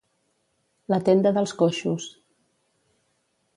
La tenda dels coixos.